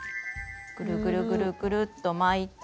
ぐるぐるぐるぐると巻いて。